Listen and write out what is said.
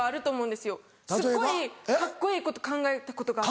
すっごいカッコいいこと考えたことがあって。